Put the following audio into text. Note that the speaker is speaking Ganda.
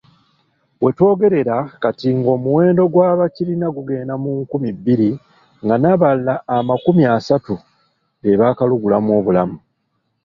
We twogerera kati ng'omuwendo gw'abakirina gugenda mu nkumi bbiri nga n'abalala amakumi asatu be baakalugulamu obulamu.